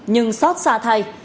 nhưng sót xa thay